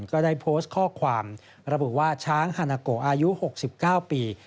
ก็ได้โพสต์ข้อความระบุว่าช้างฮานาโกอายุ๖๙ปี